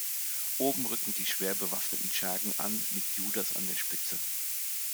Oben rücken die schwer bewaffneten Schergen an mit Judas an der Spitze.